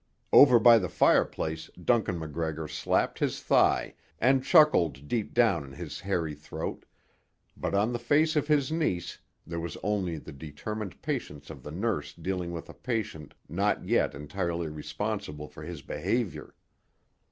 Over by the fireplace Duncan MacGregor slapped his thigh and chuckled deep down in his hairy throat, but on the face of his niece there was only the determined patience of the nurse dealing with a patient not yet entirely responsible for his behaviour.